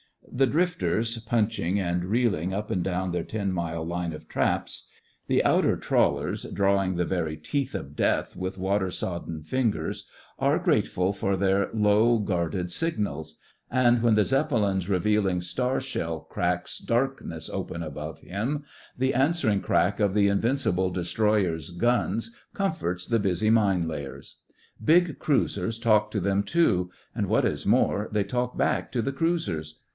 The drifters, punching and reeling up and down their ten mile line of traps; the outer trawlers, drawing the very teeth of Death with water sodden fingers, are grateful for their low, guarded signals; and when THE FRINGES OF THE FLEET 113 the Zeppelin's revealing star shell cracks darkness open above him, the answering crack of the invincible destroyers' guns comforts the busy mine layers. Big cruisers talk to them, too; and, what is more, they talk back to the cruisers.